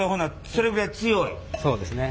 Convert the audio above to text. そうですね。